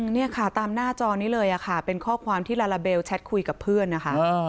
นี่ค่ะตามหน้าจอนี้เลยค่ะเป็นข้อความที่ลาลาเบลแชทคุยกับเพื่อนนะคะ